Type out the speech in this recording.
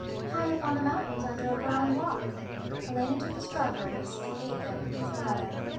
1 High up on the mountains, under a brown rock.' Helena took the strawberries, and ate them with her mother.